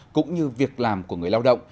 cũng như việc làm của người lao động